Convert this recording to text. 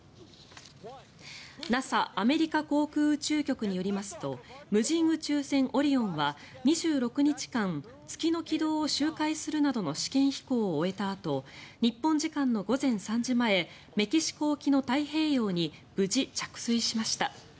ＮＡＳＡ・アメリカ航空宇宙局によりますと無人宇宙船オリオンは、２６日間月の軌道を周回するなどの試験飛行を終えたあと日本時間の午前３時前メキシコ沖の太平洋に無事、着水しました。